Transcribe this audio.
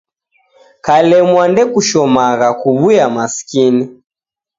Kalemwa ndekushomagha kuw'uya masikini.